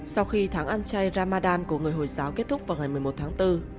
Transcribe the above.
sau khi tháng ăn chay ramadan của người hồi giáo kết thúc vào ngày một mươi một tháng bốn